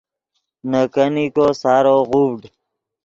نے کینیکو سارو غوڤڈ